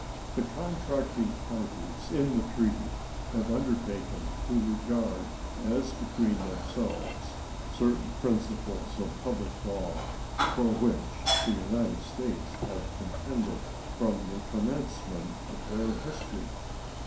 The contracting parties in the treaty have undertaken to regard as between themselves certain principles of public law, for which the United States have contended from the commencement of their history.